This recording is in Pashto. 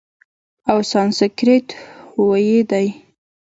او سانسکریت ویی دی،